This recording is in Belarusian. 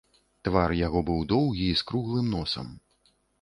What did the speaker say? Твар яго быў доўгі і з круглым носам.